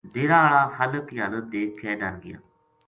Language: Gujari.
ڈیرا ہالا خالق کی حالت دیکھ کے ڈر گیا